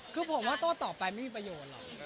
คือผมว่าโต้ต่อไปไม่มีประโยชน์หรอก